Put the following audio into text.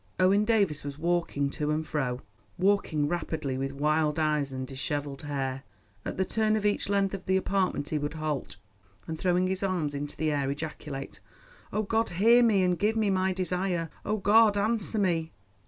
Owen Davies was walking to and fro—walking rapidly with wild eyes and dishevelled hair. At the turn of each length of the apartment he would halt, and throwing his arms into the air ejaculate: "Oh, God, hear me, and give me my desire! Oh, God, answer me!"